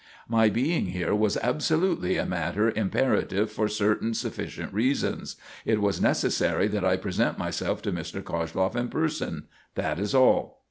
"My being here was absolutely a matter imperative for certain sufficient reasons. It was necessary that I present myself to Mr. Koshloff in person. That is all.